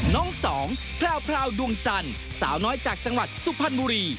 สองแพรวดวงจันทร์สาวน้อยจากจังหวัดสุพรรณบุรี